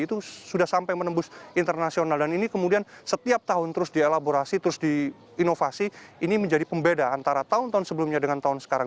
itu sudah sampai menembus internasional dan ini kemudian setiap tahun terus dielaborasi terus diinovasi ini menjadi pembeda antara tahun tahun sebelumnya dengan tahun sekarang